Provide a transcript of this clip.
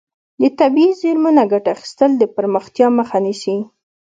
د طبیعي زیرمو نه ګټه اخیستل د پرمختیا مخه نیسي.